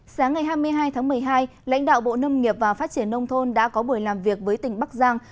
sáng ngày hai mươi hai tháng một mươi hai lãnh đạo bộ nông nghiệp và phát triển nông thôn đã có buổi làm việc với tỉnh bắc giang